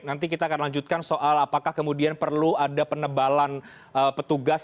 nanti kita akan lanjutkan soal apakah kemudian perlu ada penebalan petugas